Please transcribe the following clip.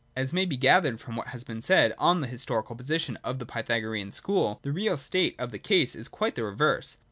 As may be gathered from what has been said on the historical position of the Pythagorean school, the real state of the case is quite the reverse.